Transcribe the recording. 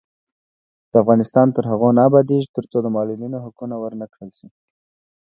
افغانستان تر هغو نه ابادیږي، ترڅو د معلولینو حقونه ورکړل نشي.